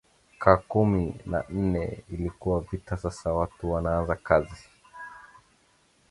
ka kumi na nne ilikuwa vita sasa watu wanaaza kazi